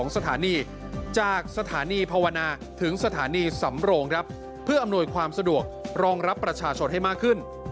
สถานีจากสถานีภาวนาถึงสถานีสำโรงครับเพื่ออำนวยความสะดวกรองรับประชาชนให้มากขึ้น